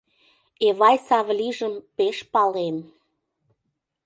Эвай Савлийжым пеш палем.